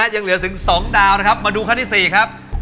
ยังเหลือถึง๒ดาวนะครับมาดูขั้นที่๔ครับ